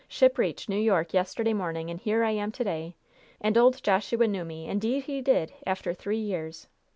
Ship reached New York yesterday morning, and here I am to day! And old Joshua knew me! Indeed he did, after three years.